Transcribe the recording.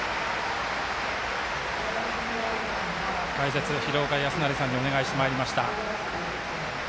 解説、廣岡資生さんにお願いしてまいりました。